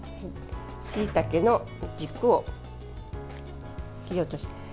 しいたけの軸を切り落とします。